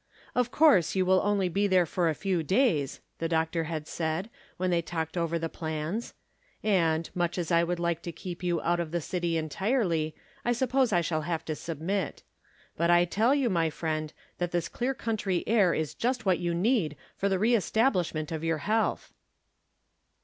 " Of course you wUl only be there for a few days," the doctor had said, when they talked over the plans ;" and, much as I would like to keep you out of the city entirely, I suppose I shall have to submit. But I tell you, my friend, that this clear country air is just what you need for the re establishment of your health."